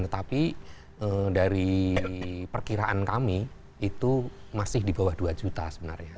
tetapi dari perkiraan kami itu masih di bawah dua juta sebenarnya